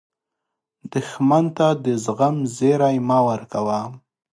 دښمن ته د زغم زیری مه ورکوه